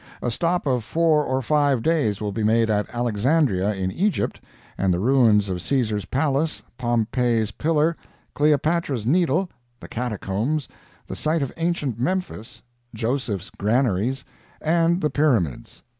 A stop of four or five days will be made at Alexandria, in Egypt, and the ruins of Caesar's Palace, Pompey's Pillar, Cleopatra's Needle, the Catacombs, the site of ancient Memphis, Joseph's Granaries, and the Pyramids.